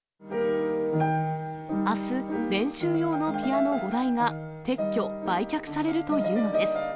あす、練習用のピアノ５台が、撤去・売却されるというのです。